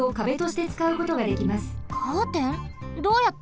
どうやって？